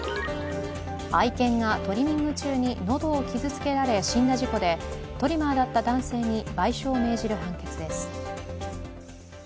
愛犬がトリミング中に喉を傷つけられ死んだ事故でトリマーだった男性に賠償を命じる判決です。